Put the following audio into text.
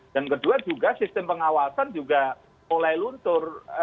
dan kedua juga sistem pengawasan juga mulai luntur